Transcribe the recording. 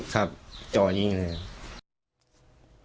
ครับจ่อยิงเลยครับ